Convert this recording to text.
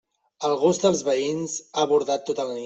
El gos dels veïns ha bordat tota la nit.